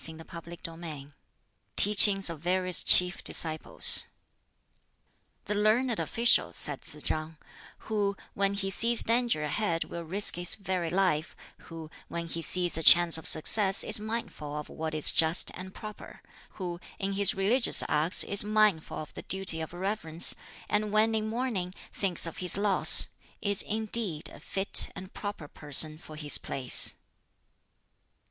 ] BOOK XIX Teachings of Various Chief Disciples "The learned official," said Tsz chang, "who when he sees danger ahead will risk his very life, who when he sees a chance of success is mindful of what is just and proper, who in his religious acts is mindful of the duty of reverence, and when in mourning thinks of his loss, is indeed a fit and proper person for his place."